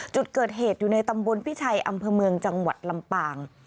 จุดเกิดเหตุอยู่ในตำบลพิชัยอำเภอเมืองจังหวัดลำปาง